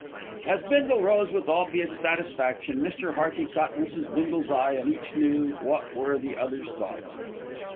As Bindle rose with obvious satisfaction, Mr. Hearty caught Mrs. Bindle's eye, and each knew what were the other's thoughts.